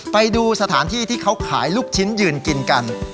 ไปดูสถานที่ที่เขาขายลูกชิ้นยืนกินกัน